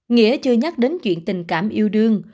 nghĩa chưa nhắc đến chuyện tình cảm yêu đương